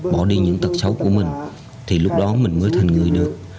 bỏ đi những tật xấu của mình thì lúc đó mình mới thành người được